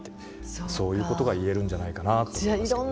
そういうことが言えるんじゃないかなと思いますけどね。